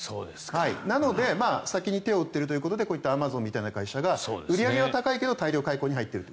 なので先に手を打っているということでこういったアマゾンみたいな会社が売り上げは高いけど大量解雇に入っていると。